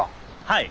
はい。